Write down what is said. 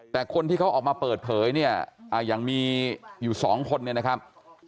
แต่คนที่เขาออกมาเปิดเผยเนี่ยยังมีอยู่สองคนเนี่ยนะครับ